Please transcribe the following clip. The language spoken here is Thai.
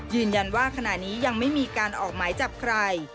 ยืนยันว่าขณะนี้ยังไม่มีการออกหมายจับใคร